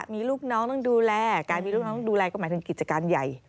มีลูกน้องต้องดูแลการมีลูกน้องดูแลก็หมายถึงกิจการใหญ่